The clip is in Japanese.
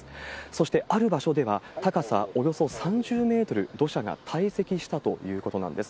そして、ある場所では、高さおよそ３０メートル、土砂が堆積したということなんです。